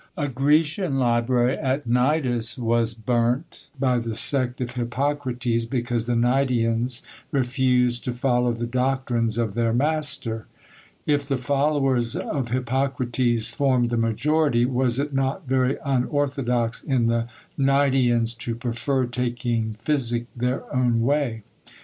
A Grecian library at Gnidus was burnt by the sect of Hippocrates, because the Gnidians refused to follow the doctrines of their master. If the followers of Hippocrates formed the majority, was it not very unorthodox in the Gnidians to prefer taking physic their own way?